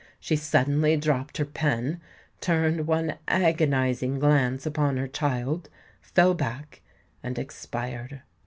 "She suddenly dropped her pen, turned one agonising glance upon her child, fell back, and expired.